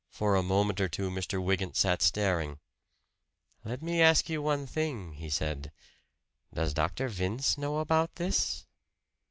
For a moment or two Mr. Wygant sat staring. "Let me ask you one thing," he said. "Does Dr. Vince know about this?"